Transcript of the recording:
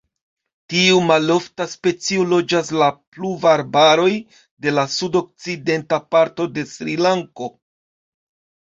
Tiu malofta specio loĝas la pluvarbaroj de la sudokcidenta parto de Srilanko.